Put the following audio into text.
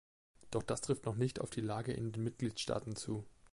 Doch das trifft noch nicht auf die Lage in den Mitgliedstaaten zu.